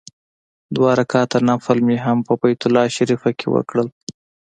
دوه رکعاته نفل مې هم په بیت الله شریفه کې وکړ.